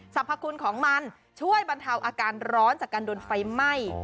พคุณของมันช่วยบรรเทาอาการร้อนจากการโดนไฟไหม้